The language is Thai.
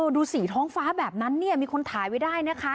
ดูสีท้องฟ้าแบบนั้นเนี่ยมีคนถ่ายไว้ได้นะคะ